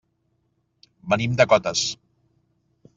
Venim de Cotes.